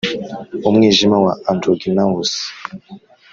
mu mwijima wa androgynous,